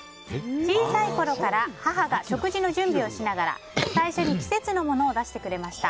小さいころから母が食事の準備をしながら最初に季節のものを出してくれました。